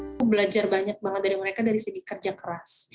aku belajar banyak banget dari mereka dari segi kerja keras